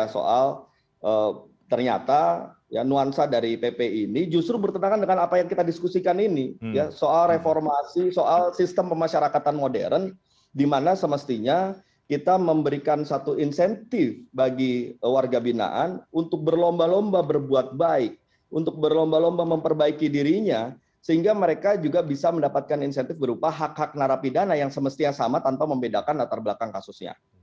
jadi saya ingin menjawab soal ternyata yang nuansa dari pp ini justru bertentangan dengan apa yang kita diskusikan ini soal reformasi soal sistem pemasyarakatan modern dimana semestinya kita memberikan satu insentif bagi warga binaan untuk berlomba lomba berbuat baik untuk berlomba lomba memperbaiki dirinya sehingga mereka juga bisa mendapatkan insentif berupa hak hak narapi dana yang semestinya sama tanpa membedakan latar belakang kasusnya